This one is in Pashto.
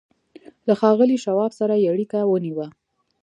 له ښاغلي شواب سره یې اړیکه ونیوه